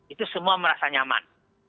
itu semua merasa nyaman